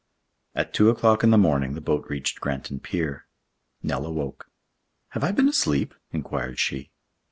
At two o'clock in the morning the boat reached Granton pier. Nell awoke. "Have I been asleep?" inquired she.